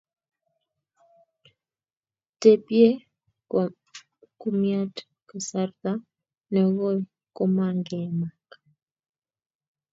Tebye kumiat kasarta nekoi komangemak